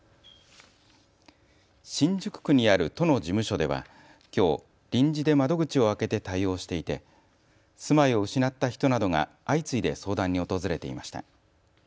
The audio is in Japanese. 新宿区にある都の事務所ではきょう臨時で窓口を開けて対応していて住まいを失った人などが相次いで相談に訪れていました。